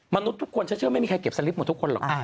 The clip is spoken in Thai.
มนุษย์ทุกคนฉันเชื่อไม่มีใครเก็บสลิปหมดทุกคนหรอก